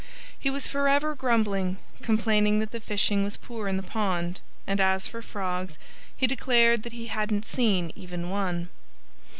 He was forever grumbling, complaining that the fishing was poor in the pond. And as for frogs, he declared that he hadn't seen even one.